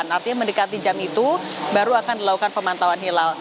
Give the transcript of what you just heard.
artinya mendekati jam itu baru akan dilakukan pemantauan hilal